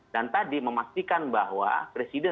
tadi memastikan bahwa presiden